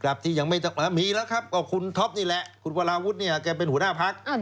กลับที่ยังมาตามีแล้วครับก็คุณทบแล้วคุณวราวุธนี่เเหละก็เป็นหัวหน้าภักษ์